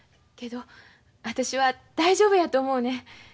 けど私は大丈夫やと思うねん。